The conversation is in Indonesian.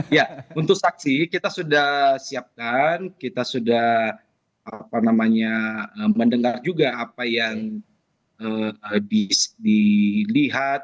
ya untuk saksi kita sudah siapkan kita sudah mendengar juga apa yang dilihat